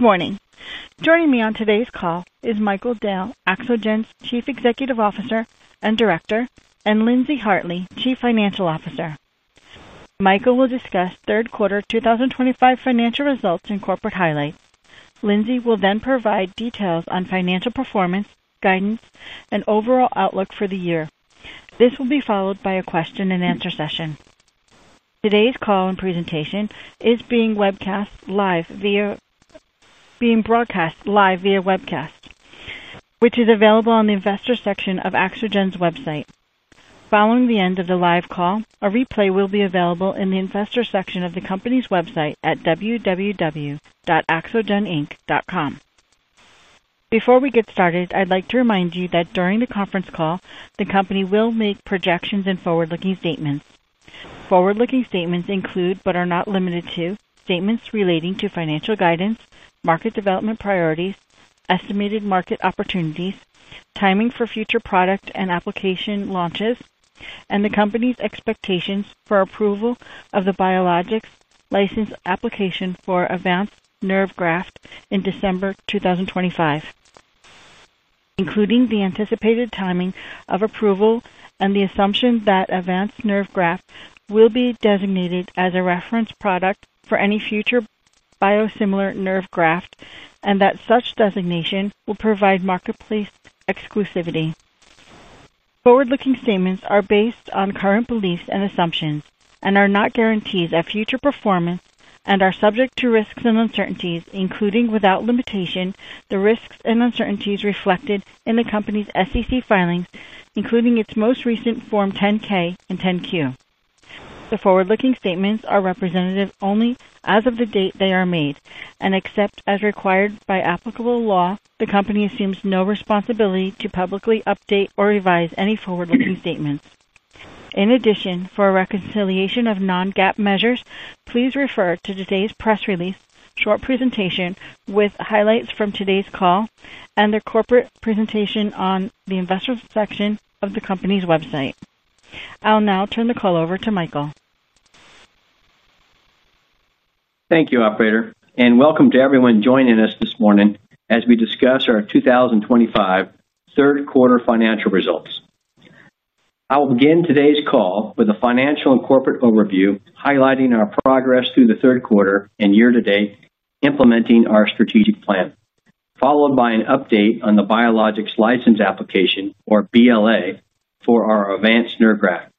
Good morning. Joining me on today's call is Michael Dale, Axogen's Chief Executive Officer and Director, and Lindsey Hartley, Chief Financial Officer. Michael will discuss third quarter 2025 financial results and corporate highlights. Lindsey will then provide details on financial performance, guidance, and overall outlook for the year. This will be followed by a question and answer session. Today's call and presentation is being webcast live via webcast, which is available on the Investor section of Axogen's website. Following the end of the live call, a replay will be available in the Investor section of the company's website at www.axogeninc.com. Before we get started, I'd like to remind you that during the conference call, the company will make projections and forward-looking statements. Forward-looking statements include, but are not limited to, statements relating to financial guidance, market development priorities, estimated market opportunities, timing for future product and application launches, and the company's expectations for approval of the Biologics License Application for Avance Nerve Graft in December 2025, including the anticipated timing of approval and the assumption that Avance Nerve Graft will be designated as a reference product for any future biosimilar nerve graft, and that such designation will provide marketplace exclusivity. Forward-looking statements are based on current beliefs and assumptions and are not guarantees of future performance and are subject to risks and uncertainties, including without limitation the risks and uncertainties reflected in the company's SEC filings, including its most recent Form 10-K and 10-Q. The forward-looking statements are representative only as of the date they are made and except as required by applicable law, the company assumes no responsibility to publicly update or revise any forward-looking statements. In addition, for a reconciliation of non-GAAP measures, please refer to today's press release, short presentation with highlights from today's call, and the corporate presentation on the Investor section of the company's website. I'll now turn the call over to Michael. Thank you, Operator, and welcome to everyone joining us this morning as we discuss our 2025 third quarter financial results. I will begin today's call with a financial and corporate overview highlighting our progress through the third quarter and year to date, implementing our strategic plan, followed by an update on the Biologics License Application, or BLA, for our Avance Nerve Graft.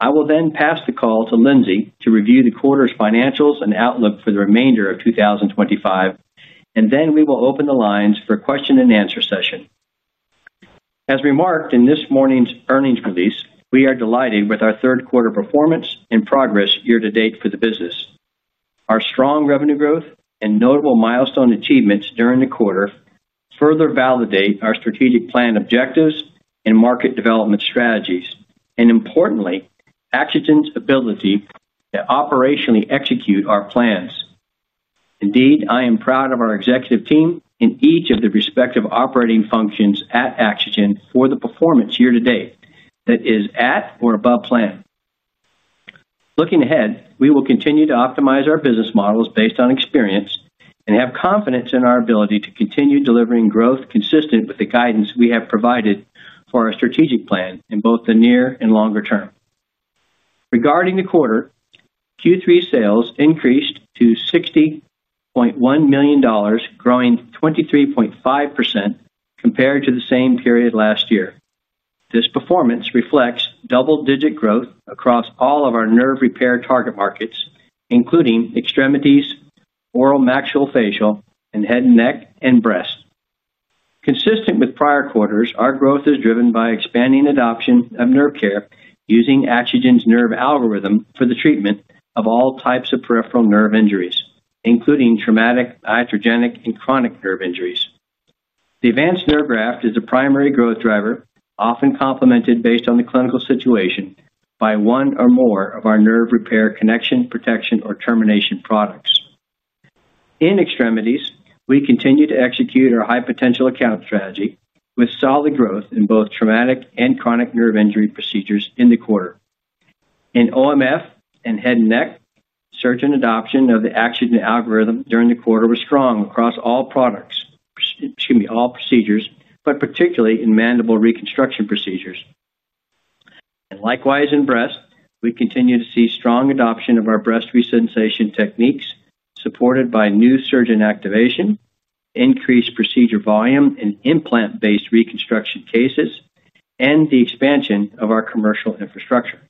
I will then pass the call to Lindsey Hartley to review the quarter's financials and outlook for the remainder of 2025, and then we will open the lines for a question and answer session. As we marked in this morning's earnings release, we are delighted with our third quarter performance and progress year to date for the business. Our strong revenue growth and notable milestone achievements during the quarter further validate our strategic plan objectives and market development strategies, and importantly, Axogen's ability to operationally execute our plans. Indeed, I am proud of our executive team in each of the respective operating functions at Axogen for the performance year to date that is at or above plan. Looking ahead, we will continue to optimize our business models based on experience and have confidence in our ability to continue delivering growth consistent with the guidance we have provided for our strategic plan in both the near and longer term. Regarding the quarter, Q3 sales increased to $60.1 million, growing 23.5% compared to the same period last year. This performance reflects double-digit growth across all of our nerve repair target markets, including extremities, oromaxillofacial, and head and neck, and breast. Consistent with prior quarters, our growth is driven by expanding adoption of nerve care using Axogen's nerve repair algorithm for the treatment of all types of peripheral nerve injuries, including traumatic, iatrogenic, and chronic nerve injuries. The Avance Nerve Graft is the primary growth driver, often complemented based on the clinical situation by one or more of our nerve repair, connection, protection, or termination products. In extremities, we continue to execute our high-potential account strategy with solid growth in both traumatic and chronic nerve injury procedures in the quarter. In oromaxillofacial and head and neck, surgeon adoption of the Axogen nerve repair algorithm during the quarter was strong across all procedures, but particularly in mandible reconstruction procedures. Likewise, in breast, we continue to see strong adoption of our breast resensation technique supported by new surgeon activation, increased procedure volume in implant-based reconstruction cases, and the expansion of our commercial infrastructure.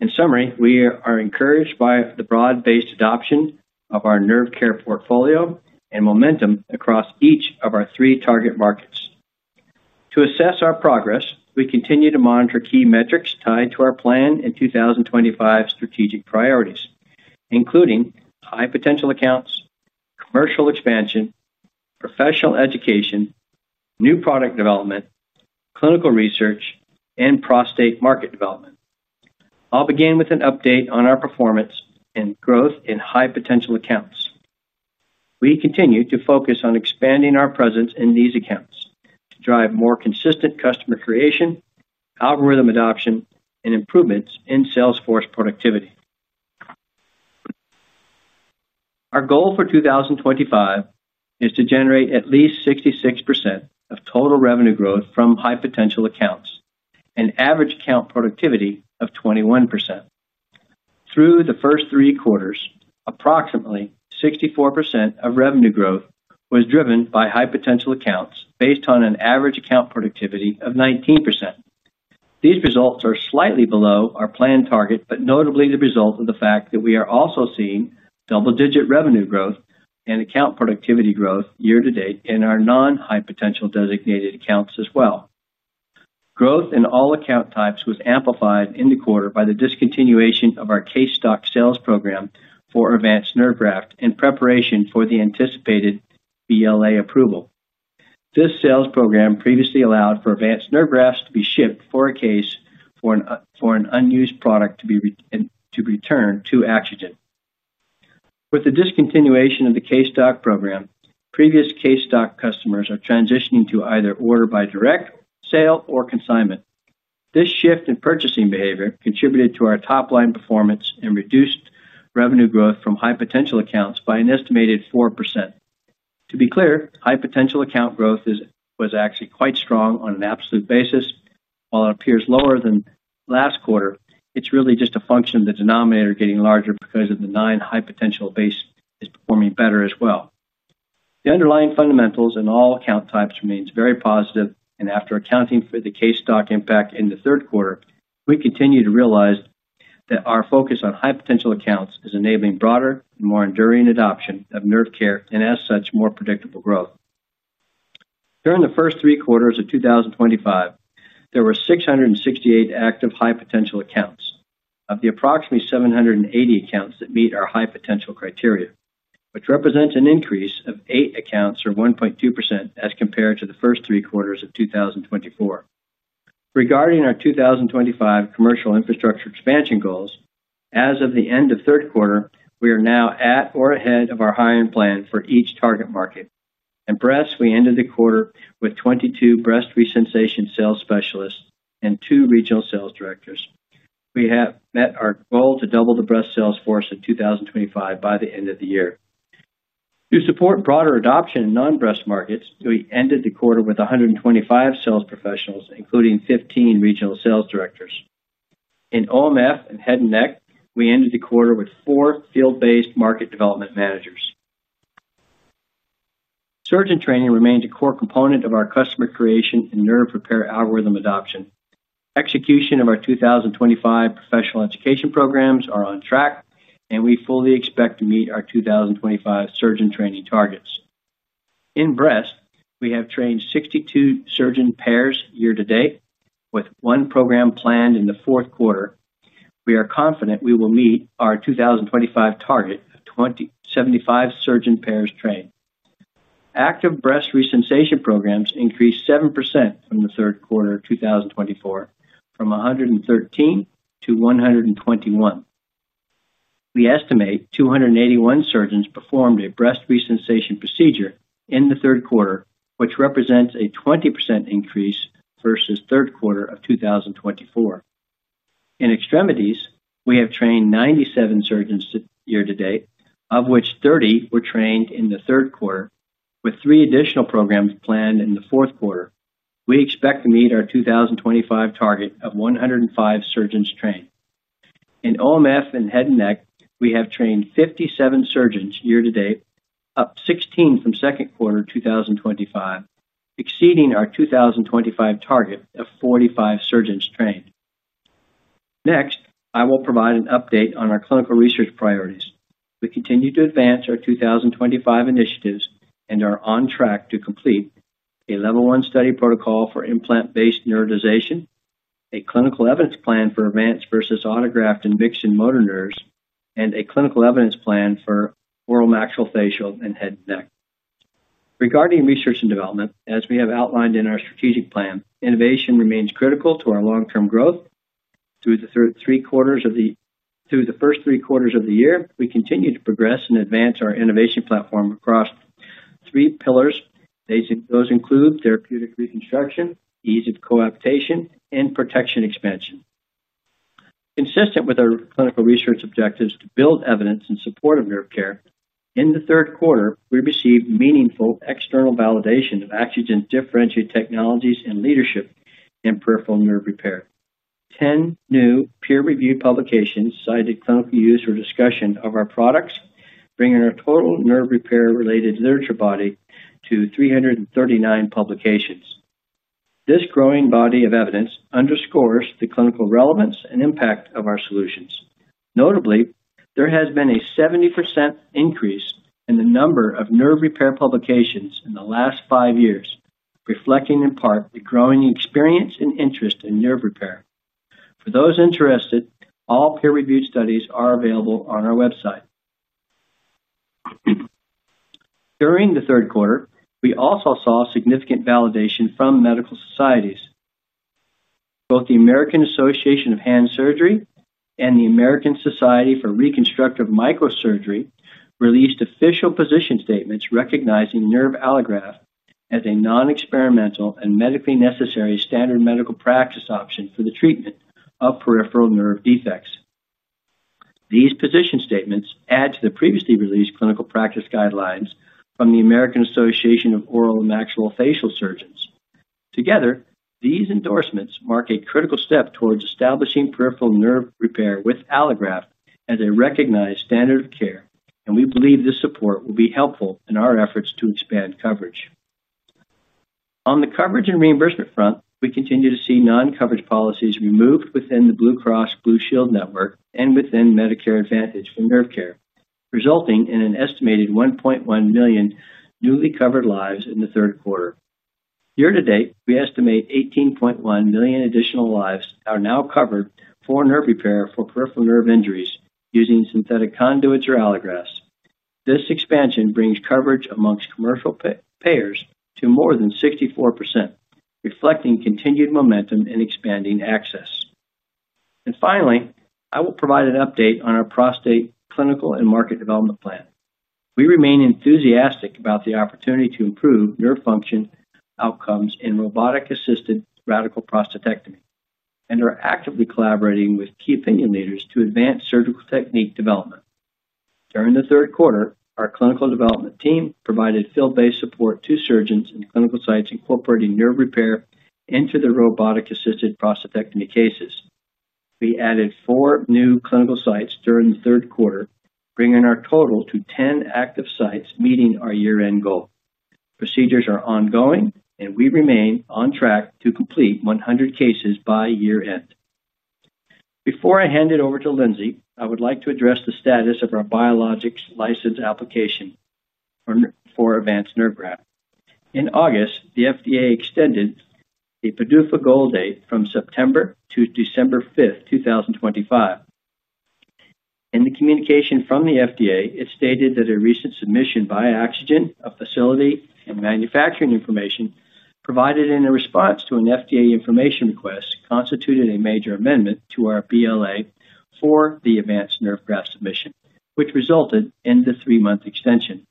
In summary, we are encouraged by the broad-based adoption of our nerve care portfolio and momentum across each of our three target markets. To assess our progress, we continue to monitor key metrics tied to our plan in 2025 strategic priorities, including high-potential accounts, commercial expansion, professional education, new product development, clinical research, and prostate market development. I'll begin with an update on our performance and growth in high-potential accounts. We continue to focus on expanding our presence in these accounts to drive more consistent customer creation, algorithm adoption, and improvements in salesforce productivity. Our goal for 2025 is to generate at least 66% of total revenue growth from high-potential accounts and average account productivity of 21%. Through the first three quarters, approximately 64% of revenue growth was driven by high-potential accounts based on an average account productivity of 19%. These results are slightly below our planned target, but notably the result of the fact that we are also seeing double-digit revenue growth and account productivity growth year to date in our non-high-potential designated accounts as well. Growth in all account types was amplified in the quarter by the discontinuation of our case stock sales program for Avance Nerve Graft in preparation for the anticipated BLA approval. This sales program previously allowed for Avance Nerve Grafts to be shipped for a case for an unused product to be returned to Axogen. With the discontinuation of the case stock program, previous case stock customers are transitioning to either order by direct sale or consignment. This shift in purchasing behavior contributed to our top-line performance and reduced revenue growth from high-potential accounts by an estimated 4%. To be clear, high-potential account growth was actually quite strong on an absolute basis. While it appears lower than last quarter, it's really just a function of the denominator getting larger because of the non-high-potential base performing better as well. The underlying fundamentals in all account types remain very positive, and after accounting for the case stock impact in the third quarter, we continue to realize that our focus on high-potential accounts is enabling broader and more enduring adoption of nerve care and, as such, more predictable growth. During the first three quarters of 2025, there were 668 active high-potential accounts of the approximately 780 accounts that meet our high-potential criteria, which represents an increase of eight accounts or 1.2% as compared to the first three quarters of 2024. Regarding our 2025 commercial infrastructure expansion goals, as of the end of third quarter, we are now at or ahead of our hiring plan for each target market. In breast, we ended the quarter with 22 breast resensation sales specialists and two regional sales directors. We have met our goal to double the breast sales force in 2025 by the end of the year. To support broader adoption in non-breast markets, we ended the quarter with 125 sales professionals, including 15 regional sales directors. In OMF and head and neck, we ended the quarter with four field-based market development managers. Surgeon training remains a core component of our customer creation and nerve repair algorithm adoption. Execution of our 2025 professional education programs are on track, and we fully expect to meet our 2025 surgeon training targets. In breast, we have trained 62 surgeon pairs year to date, with one program planned in the fourth quarter. We are confident we will meet our 2025 target of 75 surgeon pairs trained. Active breast resensation programs increased 7% from the third quarter of 2024, from 113 to 121. We estimate 281 surgeons performed a breast resensation procedure in the third quarter, which represents a 20% increase versus the third quarter of 2024. In extremities, we have trained 97 surgeons year to date, of which 30 were trained in the third quarter, with three additional programs planned in the fourth quarter. We expect to meet our 2025 target of 105 surgeons trained. In OMF and head and neck, we have trained 57 surgeons year to date, up 16 from the second quarter of 2025, exceeding our 2025 target of 45 surgeons trained. Next, I will provide an update on our clinical research priorities. We continue to advance our 2025 initiatives and are on track to complete a level one study protocol for implant-based neurotization, a clinical evidence plan for Avance versus autograft in vixen motor nerves, and a clinical evidence plan for oromaxillofacial and head and neck. Regarding research and development, as we have outlined in our strategic plan, innovation remains critical to our long-term growth. Through the first three quarters of the year, we continue to progress and advance our innovation platform across three pillars. Those include therapeutic reconstruction, ease of coaptation, and protection expansion. Consistent with our clinical research objectives to build evidence in support of nerve care, in the third quarter, we received meaningful external validation of Axogen's differentiated technologies and leadership in peripheral nerve repair. 10 new peer-reviewed publications cited clinical use for discussion of our products, bringing our total nerve repair-related literature body to 339 publications. This growing body of evidence underscores the clinical relevance and impact of our solutions. Notably, there has been a 70% increase in the number of nerve repair publications in the last five years, reflecting in part the growing experience and interest in nerve repair. For those interested, all peer-reviewed studies are available on our website. During the third quarter, we also saw significant validation from medical societies. Both the American Association of Hand Surgery and the American Society for Reconstructive Microsurgery released official position statements recognizing nerve allograft as a non-experimental and medically necessary standard medical practice option for the treatment of peripheral nerve defects. These position statements add to the previously released clinical practice guidelines from the American Association of Oromaxillofacial Surgeons. Together, these endorsements mark a critical step towards establishing peripheral nerve repair with allograft as a recognized standard of care, and we believe this support will be helpful in our efforts to expand coverage. On the coverage and reimbursement front, we continue to see non-coverage policies removed within the Blue Cross Blue Shield network and within Medicare Advantage for nerve care, resulting in an estimated 1.1 million newly covered lives in the third quarter. Year to date, we estimate 18.1 million additional lives are now covered for nerve repair for peripheral nerve injuries using synthetic conduits or allografts. This expansion brings coverage amongst commercial payers to more than 64%, reflecting continued momentum in expanding access. Finally, I will provide an update on our prostate clinical and market development plan. We remain enthusiastic about the opportunity to improve nerve function outcomes in robotic-assisted radical prostatectomy and are actively collaborating with key opinion leaders to advance surgical technique development. During the third quarter, our clinical development team provided field-based support to surgeons in clinical sites incorporating nerve repair into the robotic-assisted prostatectomy cases. We added four new clinical sites during the third quarter, bringing our total to 10 active sites, meeting our year-end goal. Procedures are ongoing, and we remain on track to complete 100 cases by year-end. Before I hand it over to Lindsey, I would like to address the status of our Biologics License Application for Avance Nerve Graft. In August, the FDA extended the PDUFA goal date from September to December 5, 2025. In the communication from the FDA, it stated that a recent submission by Axogen of facility and manufacturing information provided in a response to an FDA information request constituted a major amendment to our BLA for the Avance Nerve Graft submission, which resulted in the three-month extension.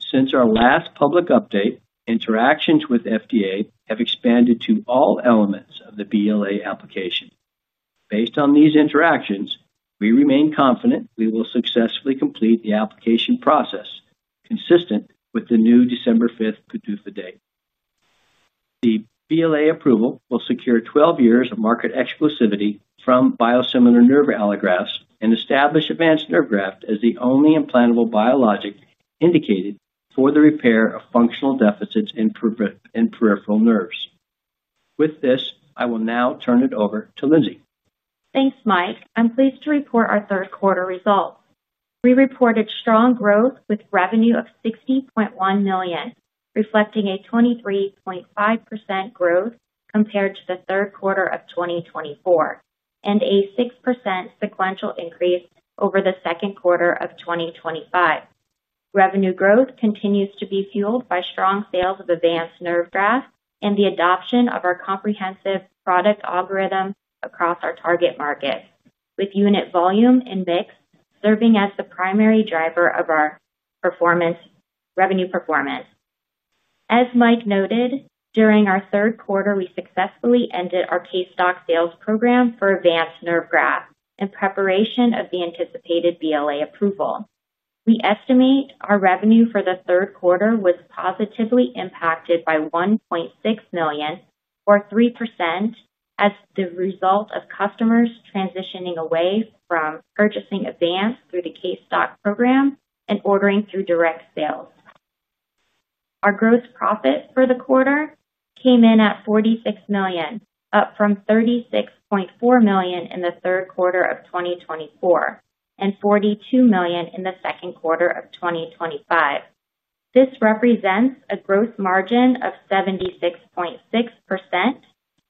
Since our last public update, interactions with the FDA have expanded to all elements of the BLA application. Based on these interactions, we remain confident we will successfully complete the application process consistent with the new December 5 PDUFA date. The BLA approval will secure 12 years of market exclusivity from biosimilar nerve allografts and establish Avance Nerve Graft as the only implantable biologic indicated for the repair of functional deficits in peripheral nerves. With this, I will now turn it over to Lindsey. Thanks, Mike. I'm pleased to report our third quarter results. We reported strong growth with revenue of $60.1 million, reflecting a 23.5% growth compared to the third quarter of 2024 and a 6% sequential increase over the second quarter of 2025. Revenue growth continues to be fueled by strong sales of Avance Nerve Graft and the adoption of our comprehensive product algorithm across our target markets, with unit volume and mix serving as the primary driver of our revenue performance. As Mike noted, during our third quarter, we successfully ended our case stock sales program for Avance Nerve Graft in preparation of the anticipated BLA approval. We estimate our revenue for the third quarter was positively impacted by $1.6 million, or 3%, as the result of customers transitioning away from purchasing Avance through the case stock program and ordering through direct sales. Our gross profit for the quarter came in at $46 million, up from $36.4 million in the third quarter of 2024 and $42 million in the second quarter of 2025. This represents a gross margin of 76.6%,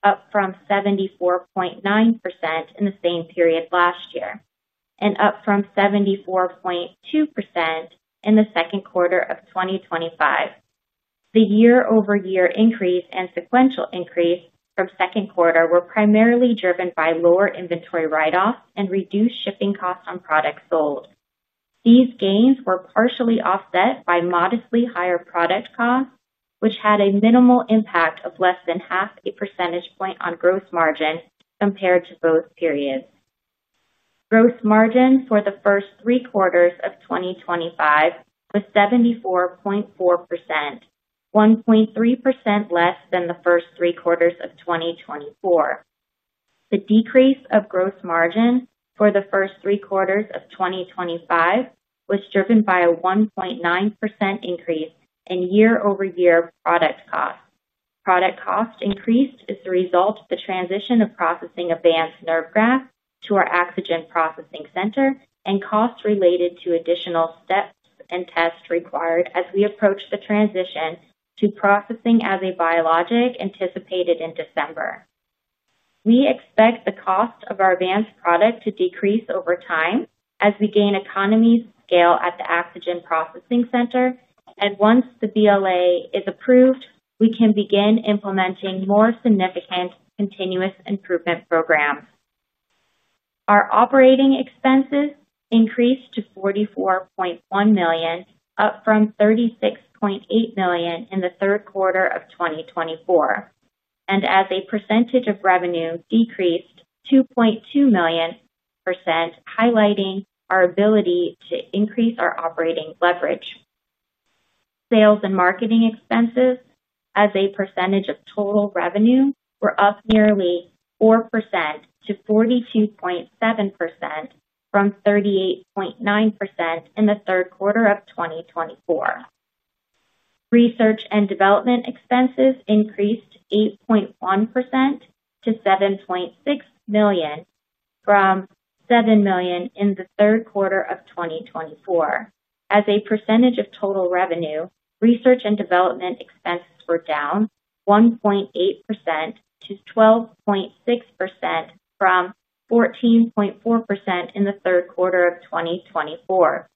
up from 74.9% in the same period last year, and up from 74.2% in the second quarter of 2025. The year-over-year increase and sequential increase from the second quarter were primarily driven by lower inventory write-offs and reduced shipping costs on products sold. These gains were partially offset by modestly higher product costs, which had a minimal impact of less than half a percentage point on gross margin compared to both periods. Gross margin for the first three quarters of 2025 was 74.4%, 1.3% less than the first three quarters of 2024. The decrease of gross margin for the first three quarters of 2025 was driven by a 1.9% increase in year-over-year product costs. Product cost increase is the result of the transition of processing Avance Nerve Graft to our Axogen processing center and costs related to additional steps and tests required as we approach the transition to processing as a biologic anticipated in December. We expect the cost of our Avance product to decrease over time as we gain economies of scale at the Axogen processing center. Once the BLA is approved, we can begin implementing more significant continuous improvement programs. Our operating expenses increased to $44.1 million, up from $36.8 million in the third quarter of 2024, and as a percentage of revenue decreased 2.2%, highlighting our ability to increase our operating leverage. Sales and marketing expenses as a percentage of total revenue were up nearly 4% to 42.7% from 38.9% in the third quarter of 2024. Research and development expenses increased 8.1% to $7.6 million from $7 million in the third quarter of 2024. As a percentage of total revenue, research and development expenses were down 1.8% to 12.6% from 14.4% in the third quarter of 2024.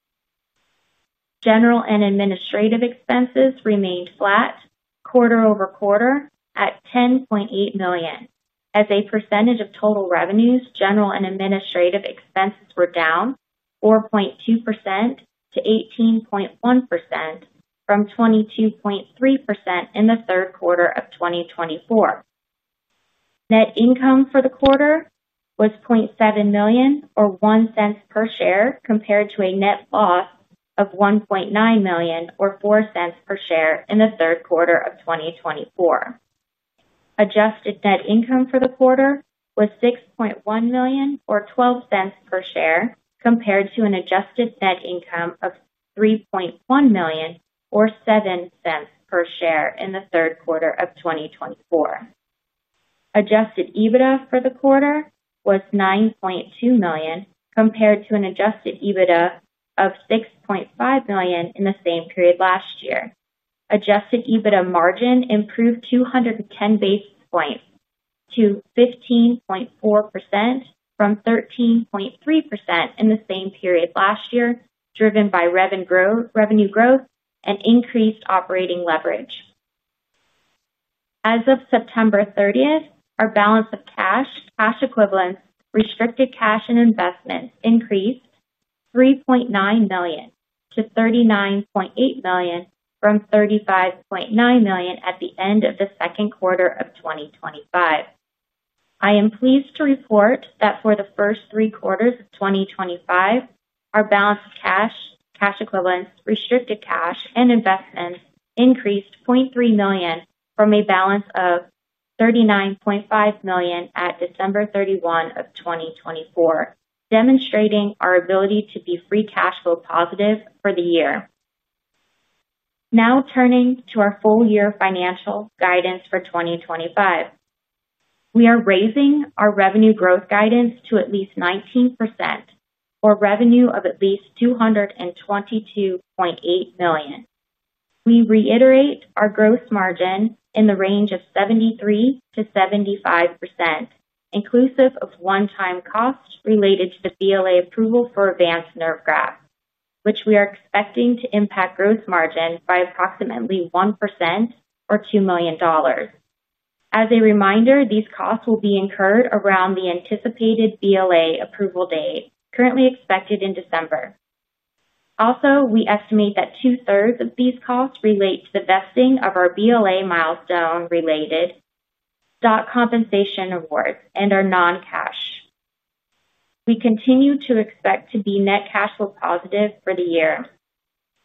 General and administrative expenses remained flat quarter over quarter at $10.8 million. As a percentage of total revenues, general and administrative expenses were down 4.2% to 18.1% from 22.3% in the third quarter of 2024. Net income for the quarter was $0.7 million or $0.01 per share compared to a net loss of $1.9 million or $0.04 per share in the third quarter of 2024. Adjusted net income for the quarter was $6.1 million or $0.12 per share compared to an adjusted net income of $3.1 million or $0.07 per share in the third quarter of 2024. Adjusted EBITDA for the quarter was $9.2 million compared to an adjusted EBITDA of $6.5 million in the same period last year. Adjusted EBITDA margin improved 210 basis points to 15.4% from 13.3% in the same period last year, driven by revenue growth and increased operating leverage. As of September 30, our balance of cash, cash equivalents, restricted cash, and investments increased $3.9 million to $39.8 million from $35.9 million at the end of the second quarter of 2025. I am pleased to report that for the first three quarters of 2025, our balance of cash, cash equivalents, restricted cash, and investments increased $0.3 million from a balance of $39.5 million at December 31, 2024, demonstrating our ability to be free cash flow positive for the year. Now turning to our full-year financial guidance for 2025, we are raising our revenue growth guidance to at least 19% for revenue of at least $222.8 million. We reiterate our gross margin in the range of 73%-75%, inclusive of one-time costs related to the BLA approval for Avance Nerve Graft, which we are expecting to impact gross margin by approximately 1% or $2 million. As a reminder, these costs will be incurred around the anticipated BLA approval date, currently expected in December. Also, we estimate that two-thirds of these costs relate to the vesting of our BLA milestone-related stock compensation awards and are non-cash. We continue to expect to be net cash flow positive for the year.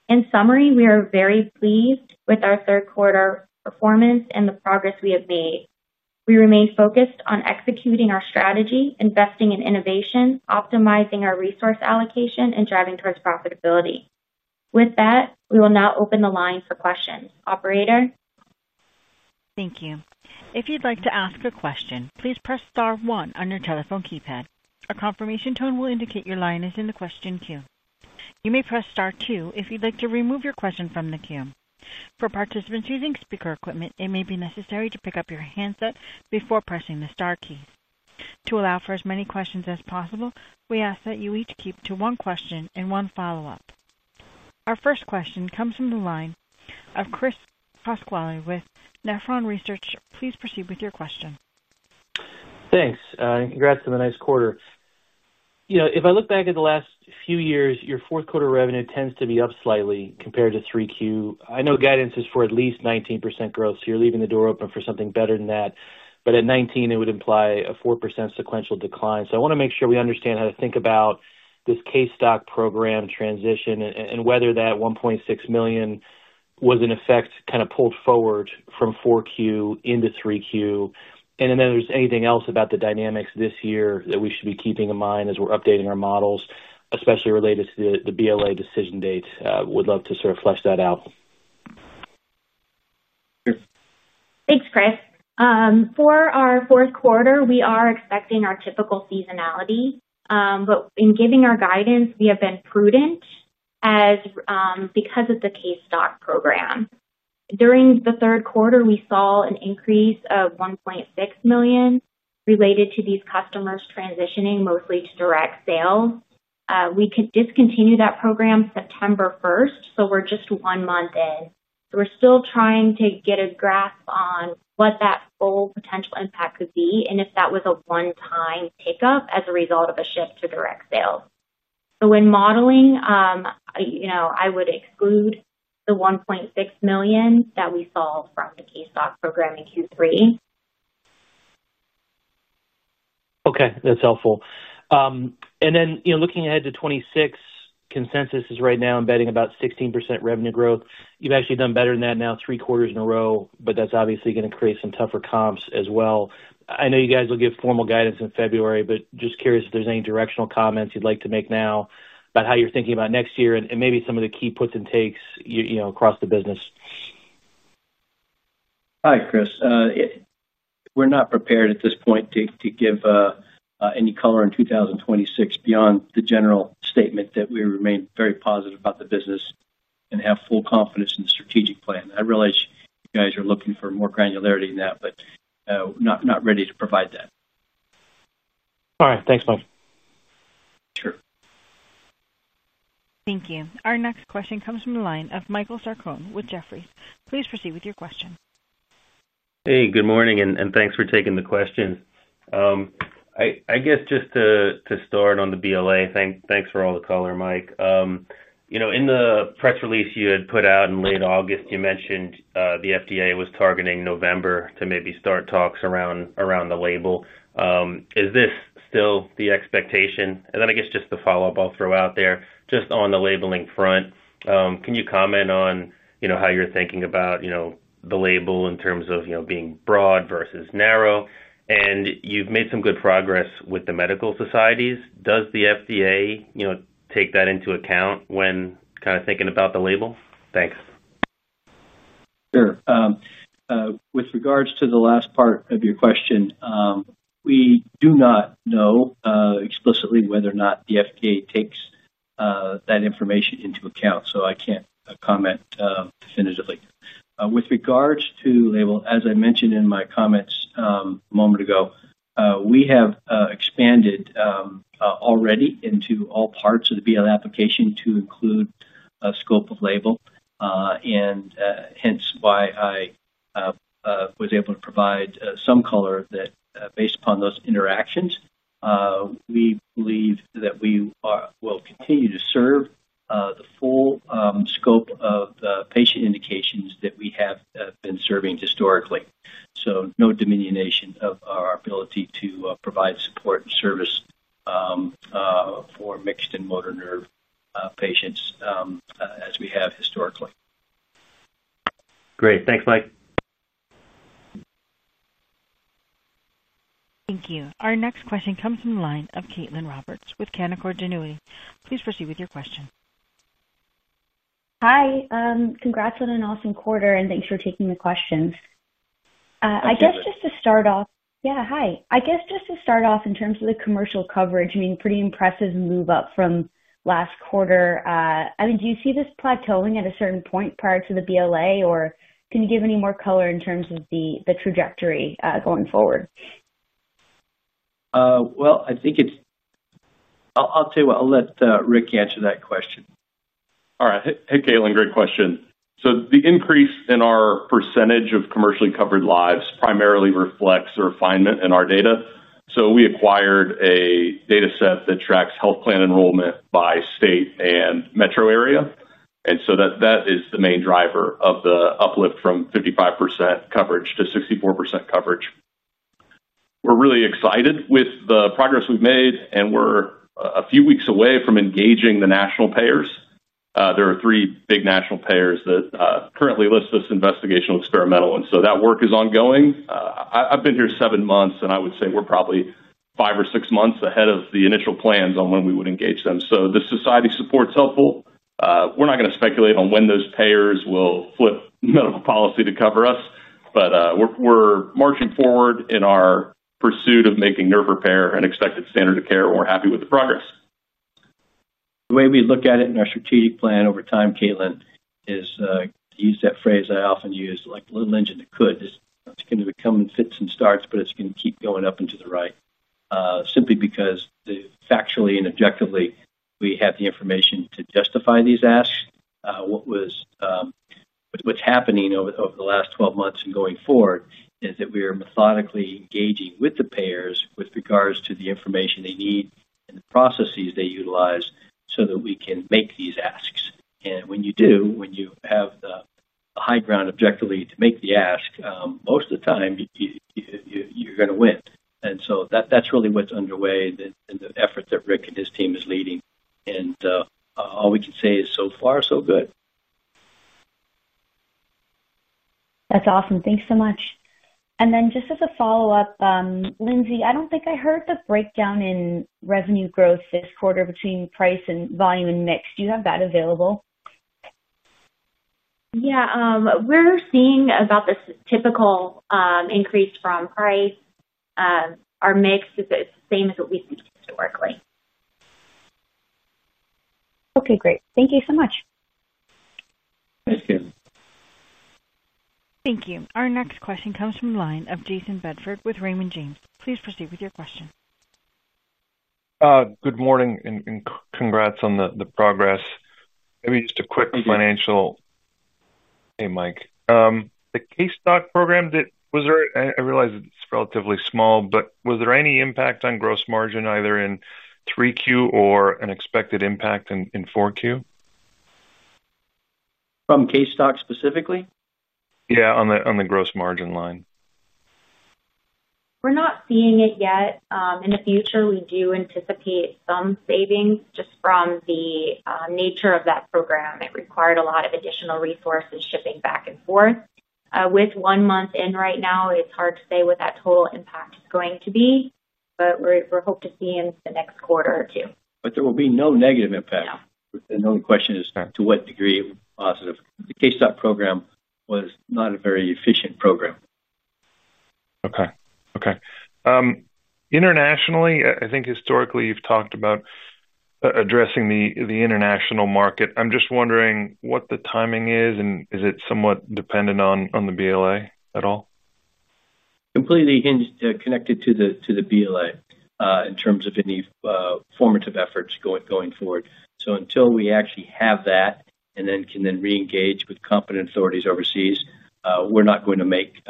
In summary, we are very pleased with our third quarter performance and the progress we have made. We remain focused on executing our strategy, investing in innovation, optimizing our resource allocation, and driving towards profitability. With that, we will now open the line for questions. Operator? Thank you. If you'd like to ask a question, please press star one on your telephone keypad. A confirmation tone will indicate your line is in the question queue. You may press star two if you'd like to remove your question from the queue. For participants using speaker equipment, it may be necessary to pick up your handset before pressing the star key. To allow for as many questions as possible, we ask that you each keep to one question and one follow-up. Our first question comes from the line of Christopher Pasquale with Nephron Research. Please proceed with your question. Thanks, and congrats on the nice quarter. You know, if I look back at the last few years, your fourth quarter revenue tends to be up slightly compared to 3Q. I know guidance is for at least 19% growth, so you're leaving the door open for something better than that. At 19%, it would imply a 4% sequential decline. I want to make sure we understand how to think about this case stock sales program transition and whether that $1.6 million was in effect kind of pulled forward from 4Q into 3Q. If there's anything else about the dynamics this year that we should be keeping in mind as we're updating our models, especially related to the BLA decision dates, I would love to sort of flesh that out. Thanks, Chris. For our fourth quarter, we are expecting our typical seasonality. In giving our guidance, we have been prudent because of the case stock program. During the third quarter, we saw an increase of $1.6 million related to these customers transitioning mostly to direct sales. We did discontinue that program September 1. We're just one month in, and we're still trying to get a grasp on what that full potential impact could be and if that was a one-time pickup as a result of a shift to direct sales. When modeling, I would exclude the $1.6 million that we saw from the case stock program in Q3. Okay, that's helpful. And then, you know, looking ahead to 2026, consensus is right now embedding about 16% revenue growth. You've actually done better than that now three quarters in a row, but that's obviously going to create some tougher comps as well. I know you guys will give formal guidance in February, but just curious if there's any directional comments you'd like to make now about how you're thinking about next year and maybe some of the key puts and takes, you know, across the business. Hi, Chris. We're not prepared at this point to give any color in 2026 beyond the general statement that we remain very positive about the business and have full confidence in the strategic plan. I realize you guys are looking for more granularity than that, but not ready to provide that. All right, thanks, Mike. Sure. Thank you. Our next question comes from the line of Michael Sarcone with Jefferies. Please proceed with your question. Hey, good morning, and thanks for taking the question. I guess just to start on the BLA, thanks for all the color, Mike. You know, in the press release you had put out in late August, you mentioned the FDA was targeting November to maybe start talks around the label. Is this still the expectation? I guess just the follow-up I'll throw out there, just on the labeling front, can you comment on how you're thinking about the label in terms of being broad versus narrow? You've made some good progress with the medical societies. Does the FDA take that into account when kind of thinking about the label? Thanks. Sure. With regards to the last part of your question, we do not know explicitly whether or not the FDA takes that information into account, so I can't comment definitively. With regards to label, as I mentioned in my comments a moment ago, we have expanded already into all parts of the BLA application to include a scope of label, which is why I was able to provide some color that based upon those interactions, we believe that we will continue to serve the full scope of patient indications that we have been serving historically. There is no diminution of our ability to provide support and service for mixed and motor nerve patients as we have historically. Great. Thanks, Michael. Thank you. Our next question comes from the line of Caitlin Cronin with Canaccord Genuity. Please proceed with your question. Hi. Congrats on an awesome quarter, and thanks for taking the questions. I guess just to start off. Yeah, hi. I guess just to start off in terms of the commercial payer coverage, pretty impressive move up from last quarter. Do you see this plateauing at a certain point prior to the BLA, or can you give any more color in terms of the trajectory going forward? I think it's I'll tell you what, I'll let Rick answer that question. All right. Hey, Caitlin. Great question. The increase in our percentage of commercially covered lives primarily reflects a refinement in our data. We acquired a dataset that tracks health plan enrollment by state and metro area, and that is the main driver of the uplift from 55% coverage to 64% coverage. We're really excited with the progress we've made, and we're a few weeks away from engaging the national payers. There are three big national payers that currently list us investigational experimental, and that work is ongoing. I've been here seven months, and I would say we're probably five or six months ahead of the initial plans on when we would engage them. The society support's helpful. We're not going to speculate on when those payers will flip medical policy to cover us, but we're marching forward in our pursuit of making nerve repair an expected standard of care, and we're happy with the progress. The way we look at it in our strategic plan over time, Caitlin, is to use that phrase I often use, like a little engine that could. It's going to come in fits and starts, but it's going to keep going up and to the right, simply because factually and objectively, we have the information to justify these asks. What's happening over the last 12 months and going forward is that we are methodically engaging with the payers with regards to the information they need and the processes they utilize so that we can make these asks. When you do, when you have the high ground objectively to make the ask, most of the time, you're going to win. That's really what's underway in the effort that Rick and his team is leading. All we can say is so far, so good. That's awesome. Thanks so much. Just as a follow-up, Lindsey, I don't think I heard the breakdown in revenue growth this quarter between price and volume and mix. Do you have that available? Yeah, we're seeing about this typical increase from price. Our mix is the same as what we've seen historically. Okay, great. Thank you so much. Thanks, Caitlin. Thank you. Our next question comes from the line of Jayson Bedford with Raymond James. Please proceed with your question. Good morning, and congrats on the progress. Maybe just a quick financial. Hey, Mike. The case stock sales program, was there, I realize it's relatively small, but was there any impact on gross margin either in 3Q or an expected impact in 4Q? From case stock specifically? Yeah, on the gross margin line. We're not seeing it yet. In the future, we do anticipate some savings just from the nature of that program. It required a lot of additional resources, shipping back and forth. With one month in right now, it's hard to say what that total impact is going to be, but we hope to see it in the next quarter or two. There will be no negative impact. The only question is to what degree of positive. The case stock sales program was not a very efficient program. Okay. Internationally, I think historically you've talked about addressing the international market. I'm just wondering what the timing is, and is it somewhat dependent on the BLA at all? Completely connected to the BLA in terms of any formative efforts going forward. Until we actually have that and then can then reengage with competent authorities overseas, we're not going to make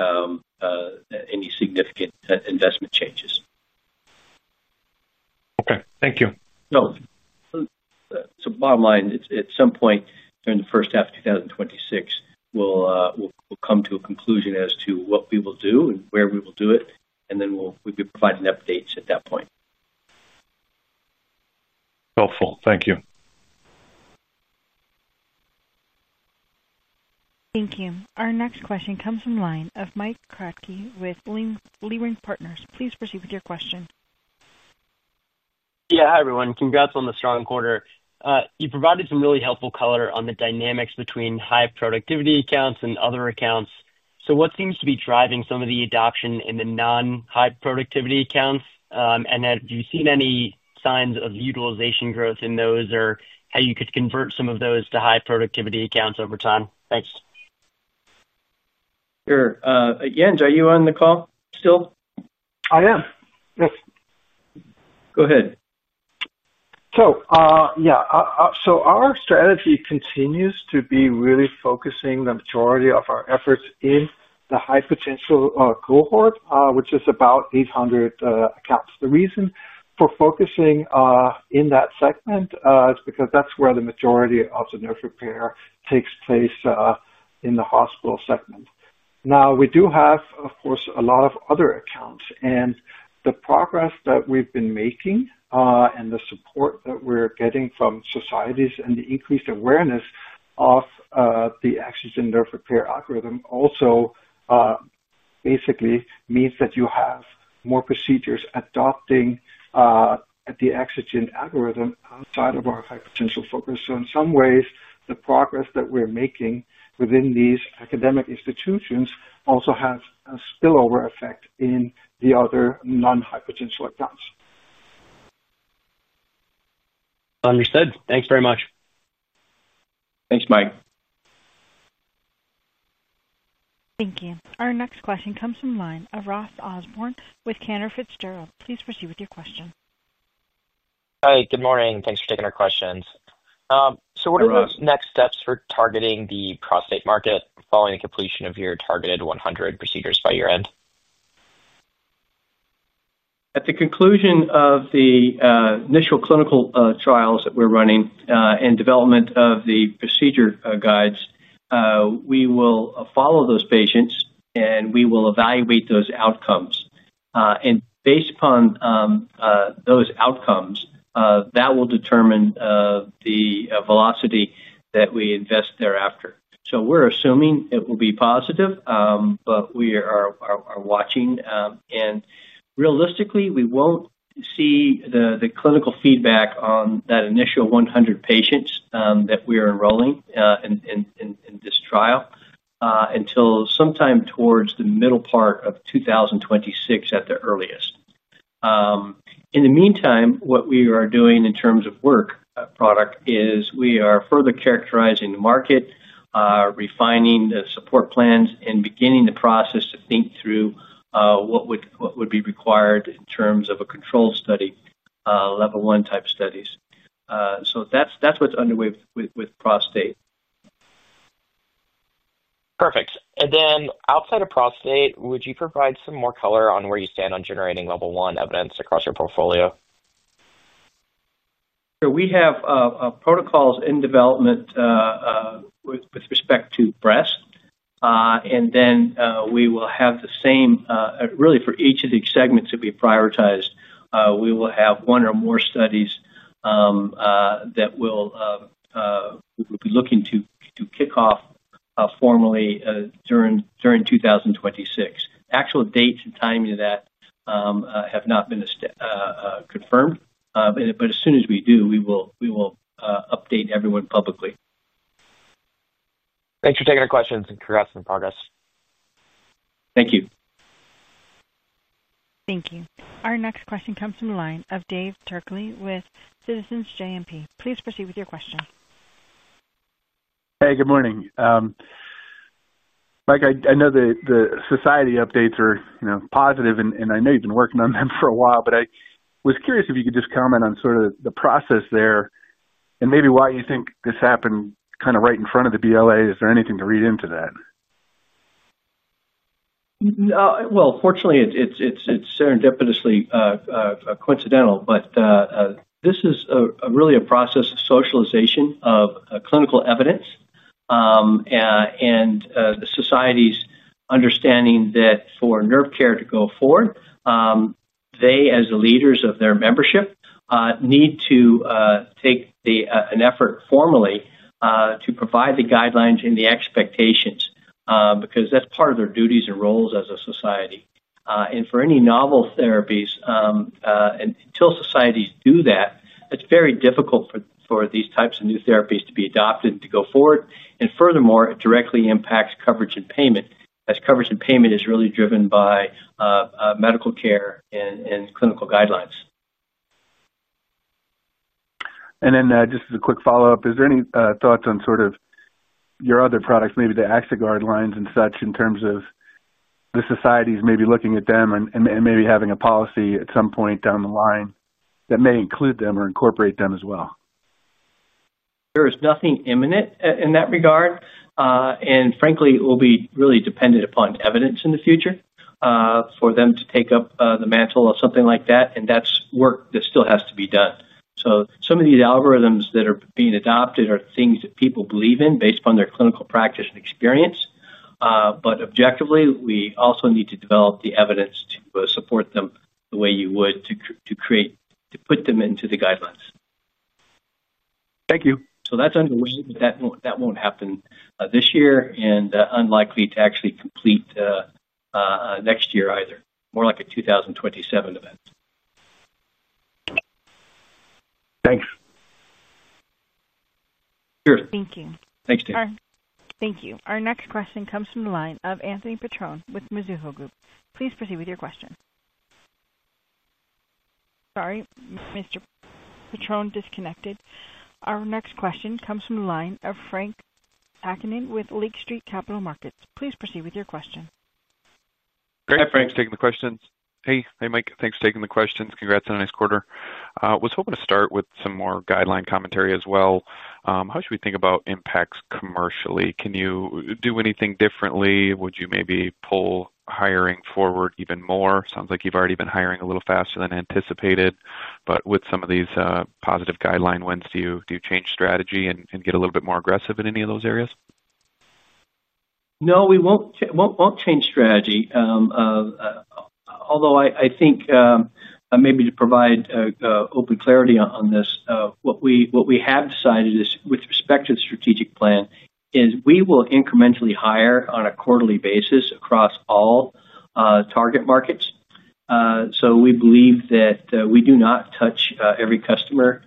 any significant investment changes. Okay, thank you. At some point during the first half of 2026, we'll come to a conclusion as to what we will do and where we will do it, and then we'll be providing updates at that point. Helpful. Thank you. Thank you. Our next question comes from the line of Mike Kratky with Leerink Partners. Please proceed with your question. Hi, everyone. Congrats on the strong quarter. You provided some really helpful color on the dynamics between high-productivity accounts and other accounts. What seems to be driving some of the adoption in the non-high-productivity accounts? Have you seen any signs of utilization growth in those or how you could convert some of those to high-productivity accounts over time? Thanks. Sure. Jens, are you on the call still? I am, yes. Go ahead. Our strategy continues to be really focusing the majority of our efforts in the high-potential cohort, which is about 800 accounts. The reason for focusing in that segment is because that's where the majority of the nerve repair takes place in the hospital segment. We do have, of course, a lot of other accounts. The progress that we've been making and the support that we're getting from societies and the increased awareness of the Axogen nerve repair algorithm also basically means that you have more procedures adopting the Axogen algorithm outside of our high-potential focus. In some ways, the progress that we're making within these academic institutions also has a spillover effect in the other non-high-potential accounts. Understood. Thanks very much. Thanks, Mike. Thank you. Our next question comes from the line of Ross Osborn with Cantor Fitzgerald. Please proceed with your question. Hi. Good morning. Thanks for taking our questions. What are the next steps for targeting the prostate market following the completion of your targeted 100 procedures by year-end? At the conclusion of the initial clinical trials that we're running and development of the procedure guides, we will follow those patients, and we will evaluate those outcomes. Based upon those outcomes, that will determine the velocity that we invest thereafter. We're assuming it will be positive, but we are watching. Realistically, we won't see the clinical feedback on that initial 100 patients that we are enrolling in this trial until sometime towards the middle part of 2026 at the earliest. In the meantime, what we are doing in terms of work product is we are further characterizing the market, refining the support plans, and beginning the process to think through what would be required in terms of a controlled study, level one type studies. That's what's underway with prostate. Perfect. Outside of prostate, would you provide some more color on where you stand on generating level one evidence across your portfolio? We have protocols in development with respect to breast, and we will have the same, really, for each of the segments that we prioritized. We will have one or more studies that we'll be looking to kick off formally during 2026. Actual dates and timing of that have not been confirmed, but as soon as we do, we will update everyone publicly. Thanks for taking our questions, and congrats on the progress. Thank you. Thank you. Our next question comes from the line of Dave Turkaly with Citizens JMP. Please proceed with your question. Hey, good morning. Mike, I know the society updates are positive, and I know you've been working on them for a while. I was curious if you could just comment on sort of the process there and maybe why you think this happened right in front of the BLA. Is there anything to read into that? It is serendipitously coincidental, but this is really a process of socialization of clinical evidence and the society's understanding that for nerve care to go forward, they, as the leaders of their membership, need to take an effort formally to provide the guidelines and the expectations because that's part of their duties and roles as a society. For any novel therapies, until societies do that, it's very difficult for these types of new therapies to be adopted and to go forward. Furthermore, it directly impacts coverage and payment, as coverage and payment is really driven by medical care and clinical guidelines. Just as a quick follow-up, is there any thoughts on sort of your other products, maybe the Axoguard lines and such, in terms of the societies maybe looking at them and maybe having a policy at some point down the line that may include them or incorporate them as well? There is nothing imminent in that regard. Frankly, it will be really dependent upon evidence in the future for them to take up the mantle of something like that. That's work that still has to be done. Some of these algorithms that are being adopted are things that people believe in based upon their clinical practice and experience. Objectively, we also need to develop the evidence to support them the way you would to put them into the guidelines. Thank you. That is underway, but that won't happen this year and unlikely to actually complete next year either, more like a 2027 event. Thanks. Sure. Thank you. Thanks, Dave. Thank you. Our next question comes from the line of Anthony Patron with Mizuho Group. Please proceed with your question. Sorry, Mr. Patron disconnected. Our next question comes from the line of Frank Takkinen with Lake Street Capital Markets. Please proceed with your question. Great. Hi, Frank. Thanks for taking the questions. Hey, Mike. Thanks for taking the questions. Congrats on a nice quarter. I was hoping to start with some more guideline commentary as well. How should we think about impacts commercially? Can you do anything differently? Would you maybe pull hiring forward even more? It sounds like you've already been hiring a little faster than anticipated. With some of these positive guideline wins, do you change strategy and get a little bit more aggressive in any of those areas? No, we won't change strategy. Although I think maybe to provide open clarity on this, what we have decided is with respect to the strategic plan is we will incrementally hire on a quarterly basis across all target markets. We believe that we do not touch every customer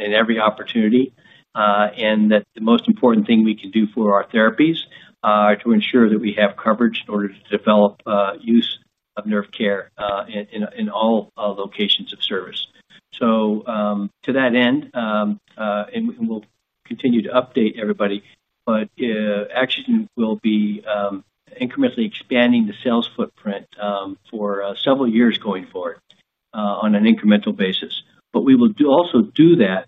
in every opportunity, and that the most important thing we can do for our therapies is to ensure that we have coverage in order to develop use of nerve care in all locations of service. To that end, we'll continue to update everybody, but Axogen will be incrementally expanding the sales footprint for several years going forward on an incremental basis. We will also do that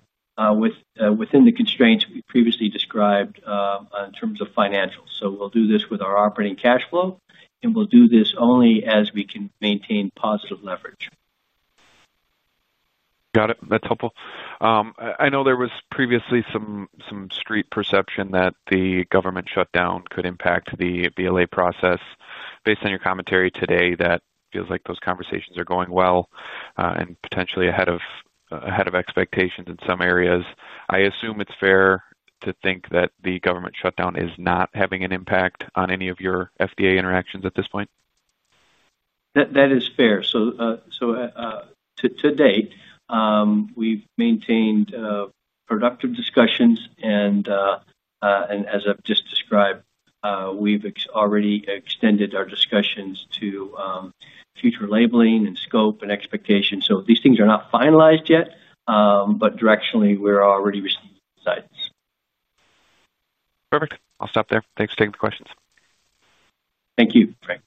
within the constraints we previously described in terms of financials. We'll do this with our operating cash flow, and we'll do this only as we can maintain positive leverage. Got it. That's helpful. I know there was previously some street perception that the government shutdown could impact the BLA process. Based on your commentary today, that feels like those conversations are going well and potentially ahead of expectations in some areas. I assume it's fair to think that the government shutdown is not having an impact on any of your FDA interactions at this point? That is fair. To date, we've maintained productive discussions. As I've just described, we've already extended our discussions to future labeling and scope and expectations. These things are not finalized yet, but directionally, we're already receiving insights. Perfect. I'll stop there. Thanks for taking the questions. Thank you, Frank.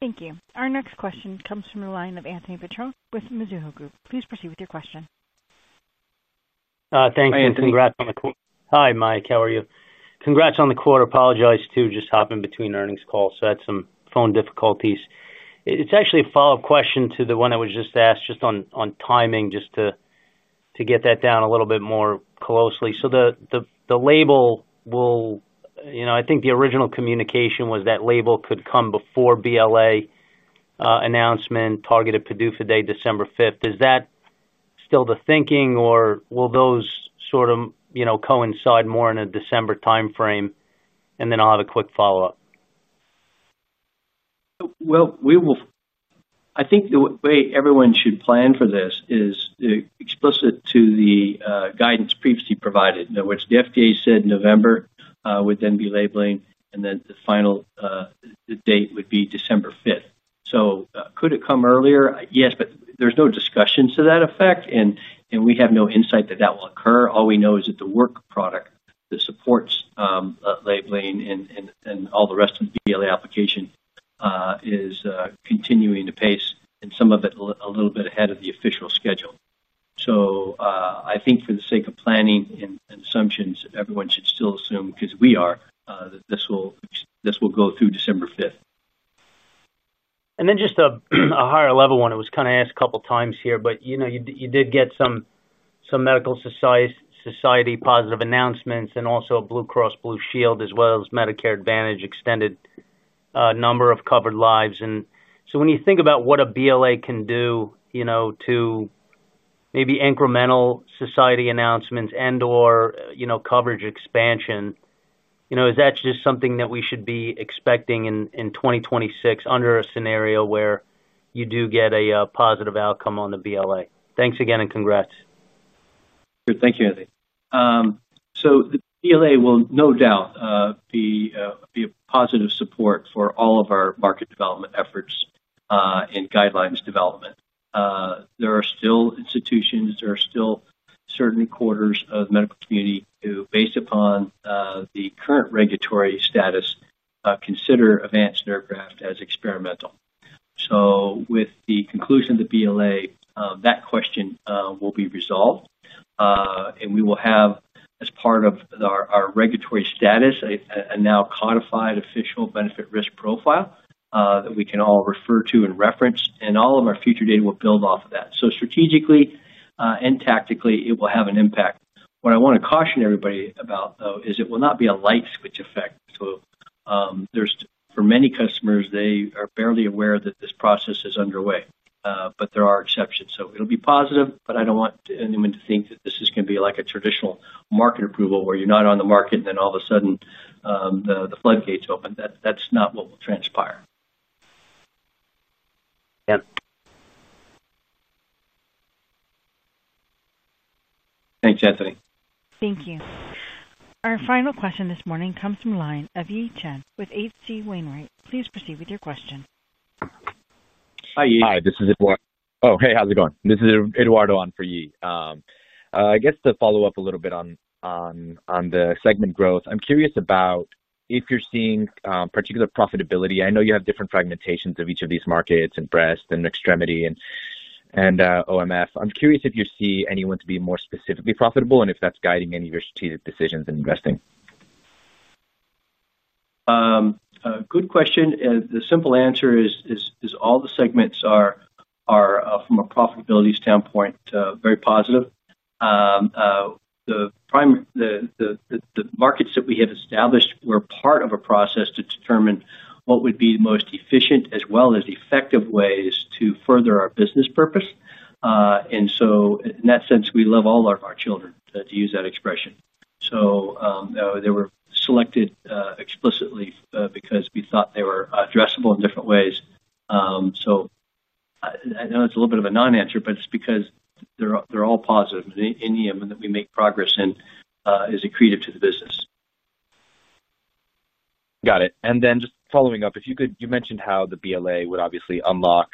Thank you. Our next question comes from the line of Anthony Patron with Mizuho Group. Please proceed with your question. Thank you. Hi, Anthony. Congrats on the quarter. Hi, Mike. How are you? Congrats on the quarter. Apologize too, just hopping between earnings calls. I had some phone difficulties. It's actually a follow-up question to the one I was just asked on timing, just to get that down a little bit more closely. The label will, you know, I think the original communication was that label could come before BLA announcement targeted PDUFA date, December 5th. Is that still the thinking, or will those sort of coincide more in a December timeframe? I'll have a quick follow-up. I think the way everyone should plan for this is explicit to the guidance previously provided. In other words, the FDA said November would then be labeling, and the final date would be December 5th. Could it come earlier? Yes, but there's no discussions to that effect, and we have no insight that that will occur. All we know is that the work product that supports labeling and all the rest of the BLA application is continuing to pace, and some of it a little bit ahead of the official schedule. I think for the sake of planning and assumptions, everyone should still assume, because we are, that this will go through December 5th. At a higher level, it was kind of asked a couple of times here, but you did get some medical society positive announcements and also Blue Cross Blue Shield, as well as Medicare Advantage, extended a number of covered lives. When you think about what a BLA can do to maybe incremental society announcements and/or coverage expansion, is that just something that we should be expecting in 2026 under a scenario where you do get a positive outcome on the BLA? Thanks again, and congrats. Thank you, Anthony. The BLA will no doubt be a positive support for all of our market development efforts and guidelines development. There are still institutions, there are still certain quarters of the medical community who, based upon the current regulatory status, consider Avance Nerve Graft as experimental. With the conclusion of the BLA, that question will be resolved, and we will have, as part of our regulatory status, a now codified official benefit risk profile that we can all refer to and reference, and all of our future data will build off of that. Strategically and tactically, it will have an impact. What I want to caution everybody about, though, is it will not be a light switch effect. For many customers, they are barely aware that this process is underway, but there are exceptions. It will be positive, but I don't want anyone to think that this is going to be like a traditional market approval where you're not on the market and then all of a sudden the floodgates open. That's not what will transpire. Yeah. Thanks, Anthony. Thank you. Our final question this morning comes from the line of Ye Chen with H.C. Wainwright. Please proceed with your question. Hi, Ye Chen. Hi. Oh, hey, how's it going? This is Eduardo on for Ye. I guess to follow up a little bit on the segment growth, I'm curious about if you're seeing particular profitability. I know you have different fragmentations of each of these markets in breast and extremity and OMF. I'm curious if you see any one to be more specifically profitable and if that's guiding any of your strategic decisions in investing. Good question. The simple answer is all the segments are, from a profitability standpoint, very positive. The markets that we have established were part of a process to determine what would be the most efficient as well as effective ways to further our business purpose. In that sense, we love all of our children, to use that expression. They were selected explicitly because we thought they were addressable in different ways. I know it's a little bit of a non-answer, but it's because they're all positive, and any of them that we make progress in is accretive to the business. Got it. Just following up, you mentioned how the BLA would obviously unlock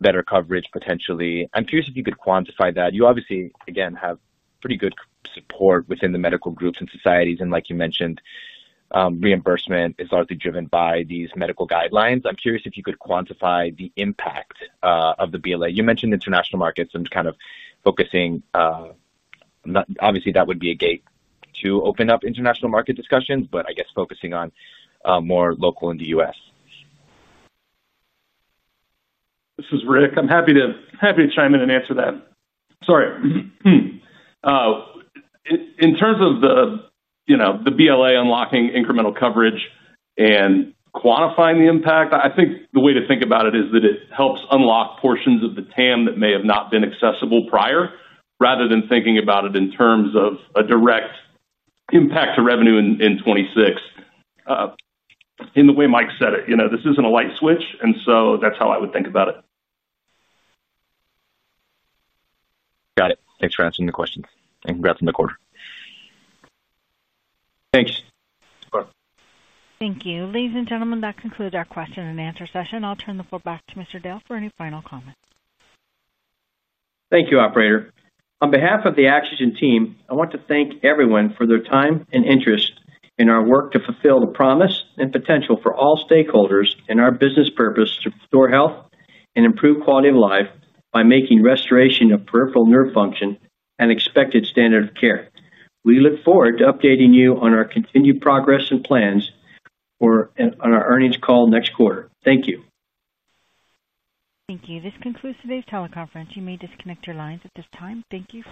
better coverage potentially. I'm curious if you could quantify that. You obviously, again, have pretty good support within the medical groups and societies. Like you mentioned, reimbursement is largely driven by these medical guidelines. I'm curious if you could quantify the impact of the BLA. You mentioned international markets and kind of focusing. Obviously, that would be a gate to open up international market discussions, but I guess focusing on more local in the U.S. I'm happy to chime in and answer that. In terms of the BLA unlocking incremental coverage and quantifying the impact, I think the way to think about it is that it helps unlock portions of the TAM that may have not been accessible prior, rather than thinking about it in terms of a direct impact to revenue in 2026. The way Mike said it, you know, this isn't a light switch, and that's how I would think about it. Got it. Thanks for answering the questions. Congrats on the quarter. Thanks. Thank you. Ladies and gentlemen, that concludes our question and answer session. I'll turn the floor back to Mr. Dale for any final comments. Thank you, Operator. On behalf of the Axogen team, I want to thank everyone for their time and interest in our work to fulfill the promise and potential for all stakeholders in our business purpose to restore health and improve quality of life by making restoration of peripheral nerve function an expected standard of care. We look forward to updating you on our continued progress and plans on our earnings call next quarter. Thank you. Thank you. This concludes today's teleconference. You may disconnect your lines at this time. Thank you.